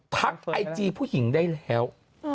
ไอจีผู้หญิงได้แล้ว